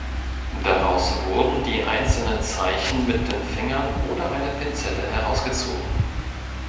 Daraus wurden die einzelnen Zeichen mit den Fingern oder einer Pinzette herausgezogen.